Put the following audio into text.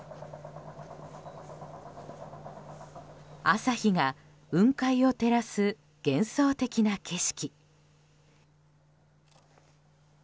朝日が雲海を照らす幻想的な景色。